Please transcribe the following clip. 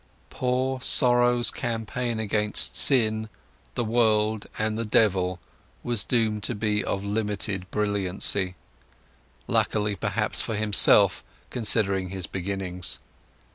Poor Sorrow's campaign against sin, the world, and the devil was doomed to be of limited brilliancy—luckily perhaps for himself, considering his beginnings.